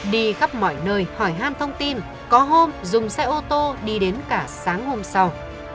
đi khắp mọi nơi hỏi han thông tin có hôm dùng xe ô tô đi đến cả sáng hôm sau